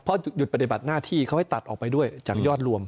เพราะหยุดปฏิบัติหน้าที่เขาให้ตัดออกไปด้วยจากยอดรวม